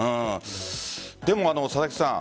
でも、佐々木さん。